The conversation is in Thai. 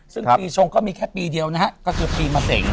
ซึ่งปีชงก็มีแค่ปีเดียวนะฮะก็คือปีมะเสง